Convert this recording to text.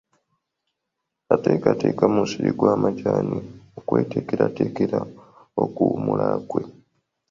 Ateekateeka musiri gwa majaani mu kweteekerateekera okuwummula kwe.